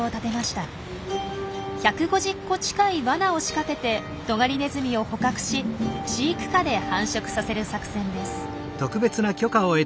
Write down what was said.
１５０個近いわなを仕掛けてトガリネズミを捕獲し飼育下で繁殖させる作戦です。